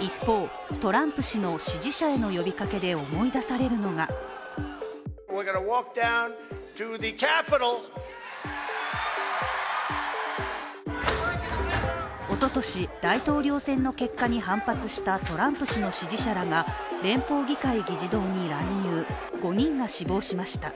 一方、トランプ氏の支持者への呼びかけで思い出されるのがおととし、大統領選の結果に反発したトランプ氏の支持者らが連邦議会議事堂に乱入、５人が死亡しました。